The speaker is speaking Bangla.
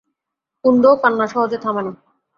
কুন্দও কান্না সহজে থামে না!